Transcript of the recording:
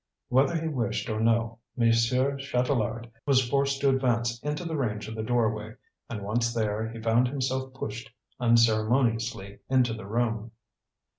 Whether he wished or no, Monsieur Chatelard was forced to advance into the range of the doorway; and once there, he found himself pushed unceremoniously into the room.